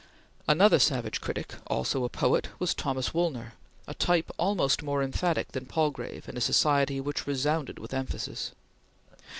'" Another savage critic, also a poet, was Thomas Woolner, a type almost more emphatic than Palgrave in a society which resounded with emphasis.